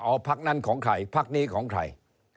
เอาพักนั้นของใครพักนี้ของใคร